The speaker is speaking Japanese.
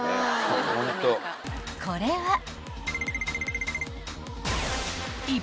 ［これは］